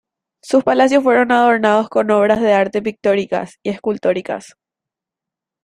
Sus palacios fueron adornados con obras de arte pictóricas y escultóricas.